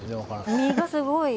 実がすごい！